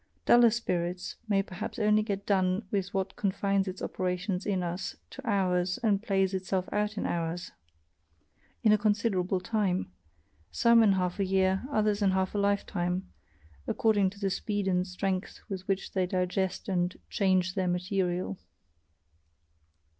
Duller spirits may perhaps only get done with what confines its operations in us to hours and plays itself out in hours in a considerable time: some in half a year, others in half a lifetime, according to the speed and strength with which they digest and "change their material."